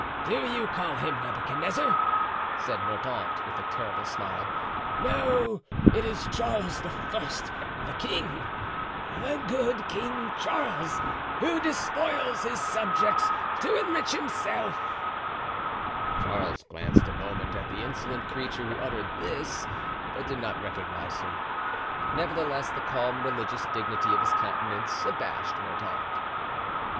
"Do you call him Nebuchadnezzar?" said Mordaunt, with a terrible smile; "no, it is Charles the First, the king, the good King Charles, who despoils his subjects to enrich himself." Charles glanced a moment at the insolent creature who uttered this, but did not recognize him. Nevertheless, the calm religious dignity of his countenance abashed Mordaunt.